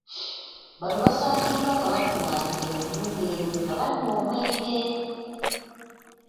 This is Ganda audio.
Bano basangiddwa nga bakungaanidde mu nnyumba emu nga banywa omwenge.